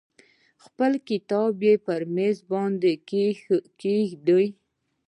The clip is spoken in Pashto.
خپل کتاب پر میز باندې کیږدئ.